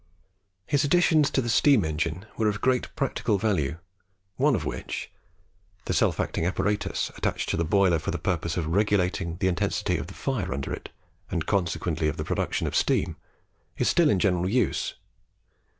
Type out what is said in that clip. His additions to the steam engine were of great practical value, one of which, the self acting apparatus attached to the boiler for the purpose of regulating the intensity of fire under it, and consequently the production of steam, is still in general use.